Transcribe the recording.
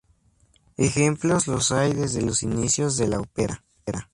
Ejemplos los hay desde los inicios de la ópera.